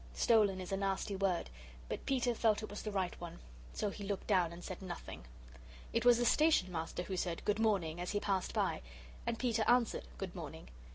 'Stolen' is a nasty word, but Peter felt it was the right one. So he looked down, and said Nothing. It was the Station Master who said "Good morning" as he passed by. And Peter answered, "Good morning."